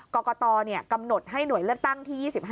กรกตกำหนดให้หน่วยเลือกตั้งที่๒๕